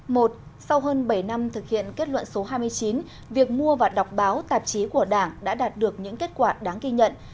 một sau hơn bảy năm thực hiện kết luận số hai mươi chín việc mua và đọc báo tạp chí của đảng đã đạt được những kết quả đáng ghi nhận